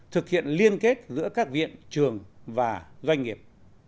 thực hiện liên kết giữa các viện trường và doanh nghiệp